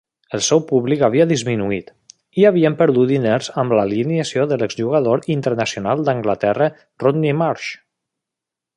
El seu públic havia disminuït, i havien perdut diners amb l'alineació de l'exjugador internacional d'Anglaterra Rodney Marsh.